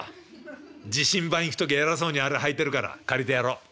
自身番行く時偉そうにあれはいてるから借りてやろ。